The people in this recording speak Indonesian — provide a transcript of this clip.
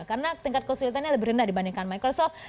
karena tingkat kesulitannya lebih rendah dibandingkan microsoft